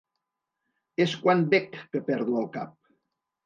És quan bec que perdo el cap.